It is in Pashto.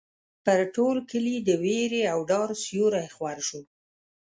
پر ټول کلي د وېرې او ډار سیوری خور شو.